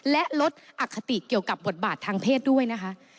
และลดอคติเกี่ยวกับบทบาททางเพศด้วยนะคะ